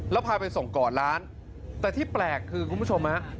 แล้วพาไปส่งก่อนร้านแต่ที่แปลกคือคุณผู้ชมฮะ